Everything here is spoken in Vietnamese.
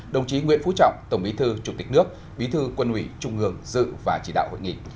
đồng chí nguyễn phú trọng tổng bí thư chủ tịch nước bí thư quân ủy trung ương dự và chỉ đạo hội nghị